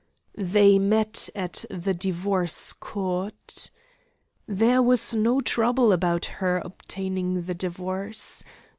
They met at the divorce court. There was no trouble about her obtaining the divorce.